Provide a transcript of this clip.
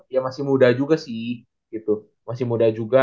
ya masih muda juga sih gitu masih muda juga